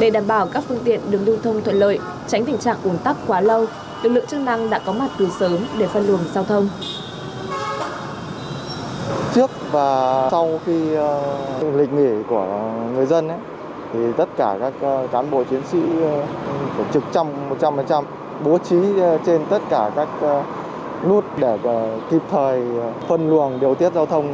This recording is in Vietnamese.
để đảm bảo các phương tiện đường lưu thông thuận lợi tránh tình trạng ồn tắc quá lâu lượng lượng chức năng đã có mặt từ sớm để phân luồng giao thông